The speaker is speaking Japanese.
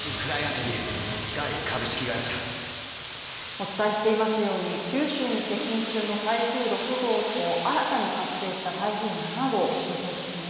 お伝えしていますように九州に接近中の台風６号と新たに発生した台風７号、心配ですね。